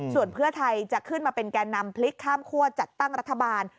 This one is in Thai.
ส่วนเพื่อไทยจะขึ้นมาเป็นแก่นำพลิกข้ามคั่วจัดตั้งรัฐบาล